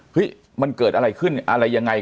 มันเกิดอะไรขึ้นอะไรยังไง